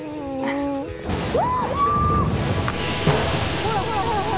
ほらほらほらほら。